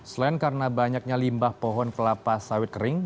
selain karena banyaknya limbah pohon kelapa sawit kering